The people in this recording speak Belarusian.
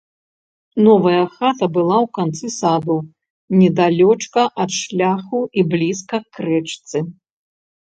Новая хата была ў канцы саду, недалёчка ад шляху і блізка к рэчцы.